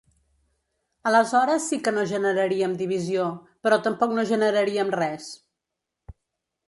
Aleshores sí que no generaríem divisió, però tampoc no generaríem res.